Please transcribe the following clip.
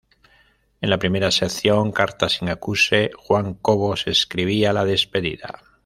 En la primera sección "Carta sin acuse", Juan Cobos escribía la despedida.